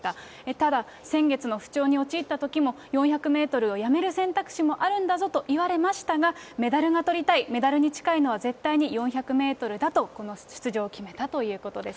ただ、先月の不調に陥ったときも、４００メートルをやめる選択肢もあるんだぞと言われましたが、メダルがとりたい、メダルに近いのは、絶対に４００メートルだと、この出場を決めたということです